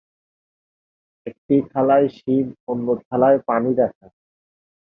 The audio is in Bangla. একটি থালায় শিম, অন্য থালায় পানি রাখা।